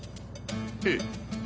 ええ。